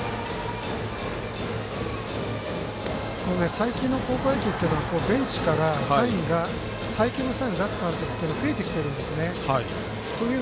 最近の高校野球というのはベンチから配球のサインを出す監督が増えてきているんですよね。